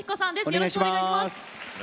よろしくお願いします。